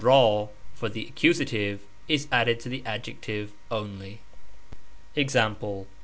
ra for the accusative is added to the adjective only. EXAMPLE.